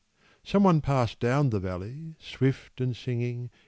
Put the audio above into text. Someone passed down the valley swift and singing.